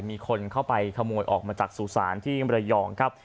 มีคนเข้าไปขโมยออกมาจากสู่ศาลที่มรยองครับ